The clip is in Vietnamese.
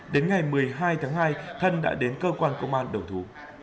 đến ngày một mươi hai tháng hai thân đã đến cơ quan công an đầu thú